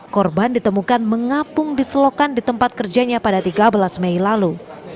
korban ditemukan mengapung di selokan di tempat kerjanya pada tiga belas mei lalu